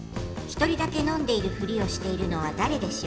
１人だけ飲んでいるフリをしているのはだれでしょう？